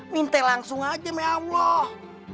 minta langsung aja meya allah